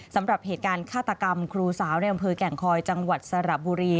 สำหรับเหตุการณ์ฆาตกรรมครูสาวในอำเภอแก่งคอยจังหวัดสระบุรี